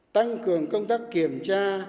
tăng cường công tác kiểm tra